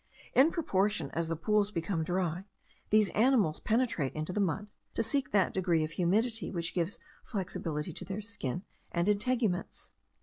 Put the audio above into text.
In proportion as the pools become dry, these animals penetrate into the mud, to seek that degree of humidity which gives flexibility to their skin and integuments.